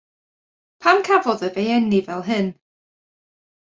Pam cafodd ef ei eni fel hyn?